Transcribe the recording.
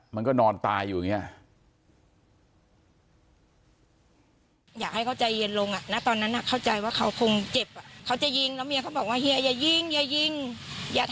มันก็นอนตายอยู่อย่างนี้